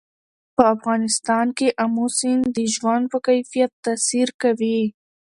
په افغانستان کې آمو سیند د ژوند په کیفیت تاثیر کوي.